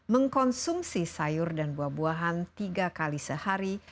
mengkonsumsi sayur dan buah buahan tiga kali sehari